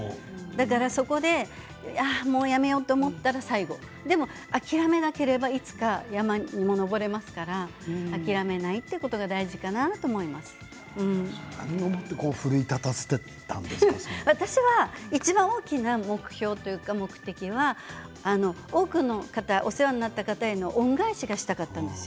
そこでやめようと思ったら最後でも諦めなければいつか、山に登れますから諦めないということが何を私のいちばんの目標というか目的は多くの方、お世話になった方への恩返しがしたかったんです。